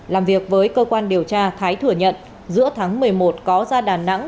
làm việc với cơ quan điều tra thái thừa nhận giữa tháng một mươi một có ra đà nẵng